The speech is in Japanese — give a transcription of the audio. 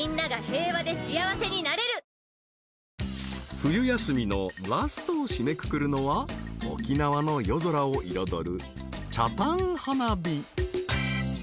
［冬休みのラストを締めくくるのは沖縄の夜空を彩る北谷花火］